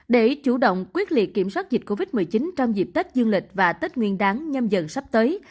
để chủ động quyết liệt kiểm soát dịch covid một mươi chín trong dịp tết dương lịch và tết nguyên đáng nhâm dần sắp tới